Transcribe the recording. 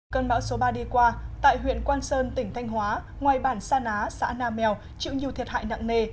cơn bão số ba đi qua tại huyện quan sơn tỉnh thanh hóa ngoài bản sa ná xã nam mèo chịu nhiều thiệt hại nặng nề